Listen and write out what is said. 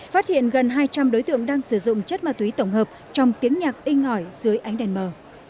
phát hiện gần hai trăm linh đối tượng đang sử dụng chất ma túy tổng hợp trong tiếng nhạc in ngỏi dưới ánh đèn mờ